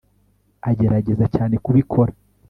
agerageza cyane kubikora